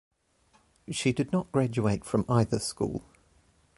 She did not graduate from either school.